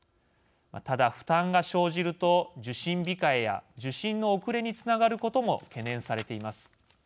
ただ、負担が生じると受診控えや受診の遅れにつながることも懸念されています。